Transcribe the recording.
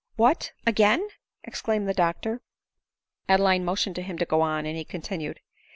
"What! again," exclaimed the doctor. (Adeline motioned to him to go on, and he continued.)